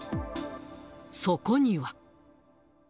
そこには。